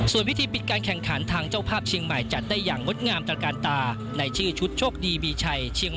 ส่วนวิธีปิดการแข่งขันทางเจ้าภาพเชียงใหม่จัดได้อย่างมดงามตลการตา